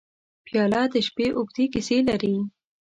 پیاله د شپې اوږدې کیسې لري.